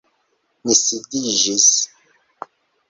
Mi sidiĝis.